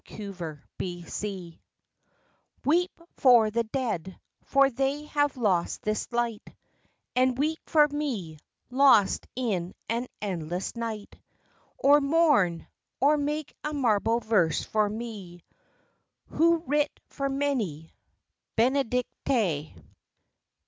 ON HIMSELF Weep for the dead, for they have lost this light; And weep for me, lost in an endless night; Or mourn, or make a marble verse for me, Who writ for many. BENEDICTE.